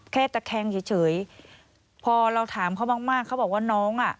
เขาบอกว่าน้องคาน